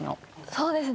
そうですね。